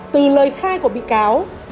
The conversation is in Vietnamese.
từ lời khai của bị cáo